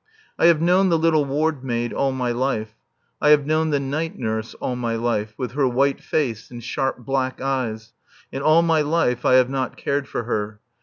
I have known the little ward maid all my life; I have known the night nurse all my life, with her white face and sharp black eyes, and all my life I have not cared for her.